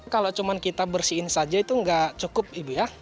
kalau cuma kita bersihin saja itu nggak cukup ibu ya